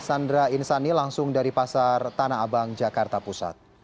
sandra insani langsung dari pasar tanah abang jakarta pusat